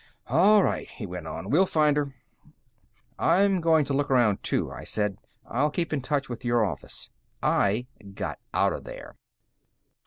"All right," he went on, "we'll find her." "I'm going to look around, too," I said. "I'll keep in touch with your office." I got out of there.